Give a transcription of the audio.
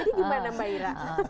jadi gimana mbak ira